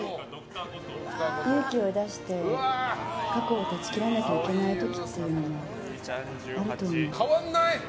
勇気を出して過去を断ち切らなきゃいけない時があると思う。